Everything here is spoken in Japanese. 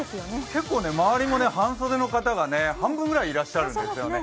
結構、まわりも半袖の形が半分ぐらいいらっしゃるんですよね。